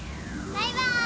バイバイ！